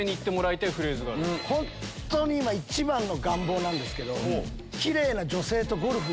本当に今一番の願望なんですけど。